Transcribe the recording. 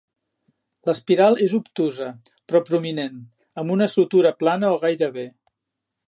L'espiral és obtusa però prominent, amb una sutura plana o gairebé.